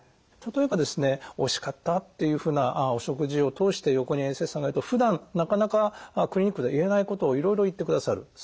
例えばですねおいしかったっていうふうなお食事を通して横に衛生士さんがいるとふだんなかなかクリニックで言えないことをいろいろ言ってくださる。